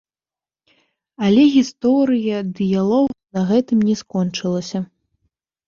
Але гісторыя дыялогу на гэтым не скончылася.